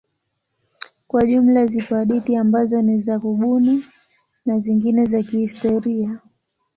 Kwa jumla zipo hadithi ambazo ni za kubuni na zingine za kihistoria.